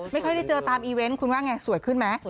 ไม่ค่อยได้เจอตามอีเวนต์คุณว่าไงสวยขึ้นไหม